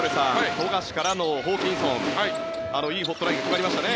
富樫からのホーキンソンいいホットラインが決まりましたね。